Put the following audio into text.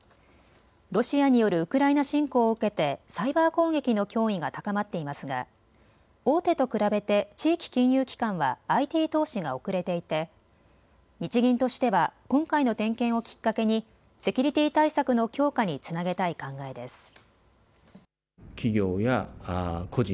ロシアによるウクライナ侵攻を受けてサイバー攻撃の脅威が高まっていますが大手と比べて地域金融機関はＩＴ投資が遅れていて日銀としては今回の点検をきっかけにセキュリティー対策の強化につなげたい考えです。